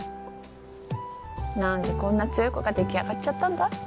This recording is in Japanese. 何でこんな強い子ができあがっちゃったんだ？